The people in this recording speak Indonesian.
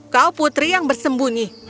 kau putri yang bersembunyi